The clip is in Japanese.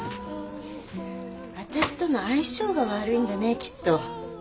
私との相性が悪いんだねきっと。